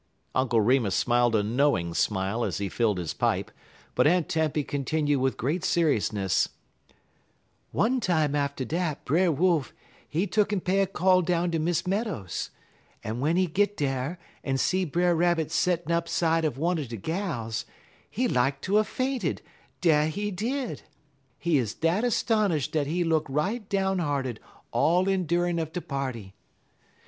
Uncle Remus smiled a knowing smile as he filled his pipe, but Aunt Tempy continued with great seriousness: "One time atter dat, Brer Wolf, he took'n pay a call down ter Miss Meadows, en w'en he git dar en see Brer Rabbit settin' up side uv one er de gals, he like to 'a' fainted, dat he did. He 'uz dat 'stonish'd dat he look right down hearted all endurin' uv de party.